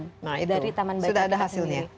sudah ada hasilnya